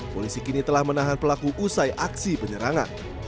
polisi kini telah menahan pelaku usai aksi penyerangan